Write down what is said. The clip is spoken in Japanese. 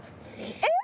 えっ⁉